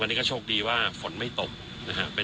อันนี้ก็โชคดีว่าฝนไม่ตกนะครับ